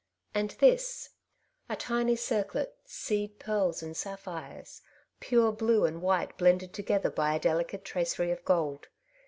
And this ? a tiny circlet, seed pearls and sapphires, pure blue and white blended together by a delicate tracery of gold.